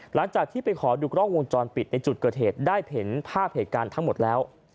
หลังจากที่ไปขอดูกล้องวงจรปิดในจุดเกิดเหตุได้เห็นภาพเหตุการณ์ทั้งหมดแล้ว